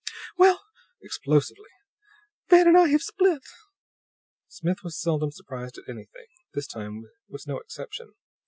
"Well," explosively, "Van and I have split!" Smith was seldom surprised at anything. This time was no exception.